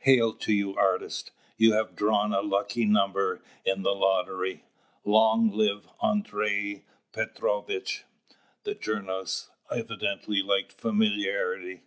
Hail to you, artist! you have drawn a lucky number in the lottery. Long live Andrei Petrovitch!" (The journalist evidently liked familiarity.)